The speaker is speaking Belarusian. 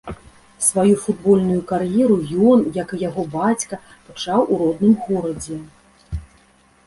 Сваю футбольную кар'еру ён, як і яго бацька, пачаў у родным горадзе.